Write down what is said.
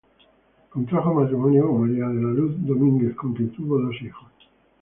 Contrajo matrimonio con María de la Luz Domínguez, con quien tuvo dos hijos.